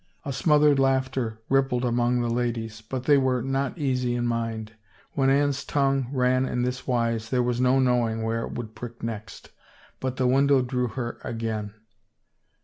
A smothered laughter rippled among the ladies but they were not easy in mind; when Anne's tongue ran in this wise there was no knowing where it would prick next. But the window drew her again.